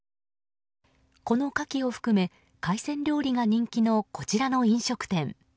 このカキを含め海鮮料理が人気のこちらの飲食店。